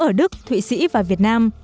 ở đức thụy sĩ và việt nam